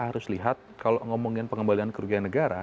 harus lihat kalau ngomongin pengembalian kerugian negara